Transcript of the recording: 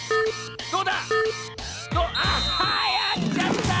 どうだ⁉あやっちゃった！